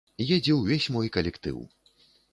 Едзе ўвесь мой калектыў.